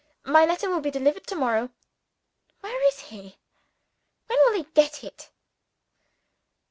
My letter will be delivered to morrow. Where is he? when will he get it?